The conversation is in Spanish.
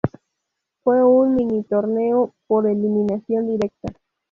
Fue un minitorneo por eliminación directa.